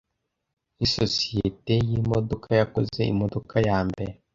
Nisosiyete yimodoka yakoze imodoka yambere